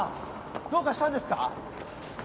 どうかしたんですか？